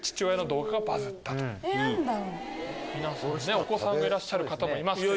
お子さんがいらっしゃる方もいますけど。